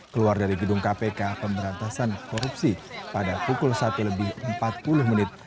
keluar dari gedung kpk pemberantasan korupsi pada pukul satu lebih empat puluh menit